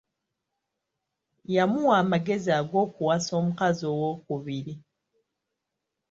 Yamuwa amagezi ag'okuwasa omukazi ow'okubiri.